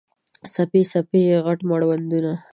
څپې، څپې یې، غټ مړوندونه